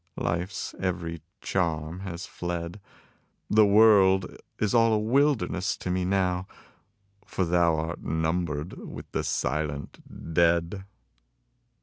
Life's every charm has fled, The world is all a wilderness to me; "For thou art numbered with the silent dead."